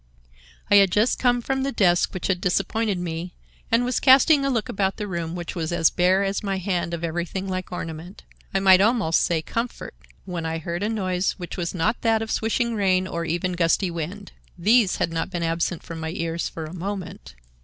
"I had just come from the desk which had disappointed me, and was casting a look about the room, which was as bare as my hand of everything like ornament—I might almost say comfort—when I heard a noise which was not that of swishing rain or even gusty wind—these had not been absent from my ears for a moment.